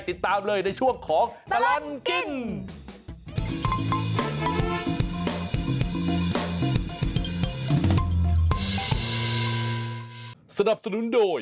ติดตามเลยในช่วงของตลอดกิน